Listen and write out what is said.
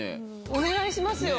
お願いしますよ。